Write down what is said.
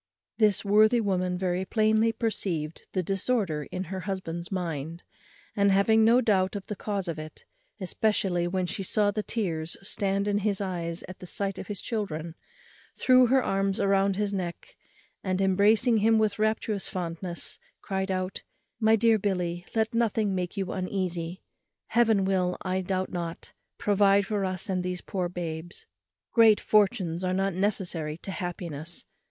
This worthy woman very plainly perceived the disorder in her husband's mind; and, having no doubt of the cause of it, especially when she saw the tears stand in his eyes at the sight of his children, threw her arms round his neck, and, embracing him with rapturous fondness, cried out, "My dear Billy, let nothing make you uneasy. Heaven will, I doubt not, provide for us and these poor babes. Great fortunes are not necessary to happiness.